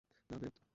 না, বেথ।